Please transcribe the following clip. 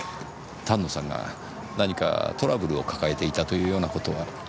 丹野さんが何かトラブルを抱えていたというような事は？